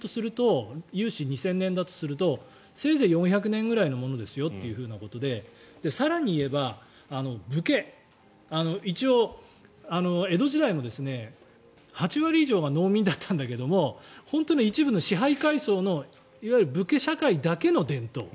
２０００年だとするとせいぜい４００年くらいのものですよということで更に言えば武家一応、江戸時代の８割以上が農民だったんだけれど本当に一部の支配階層のいわゆる武家社会だけの伝統。